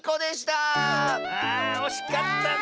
あおしかったね。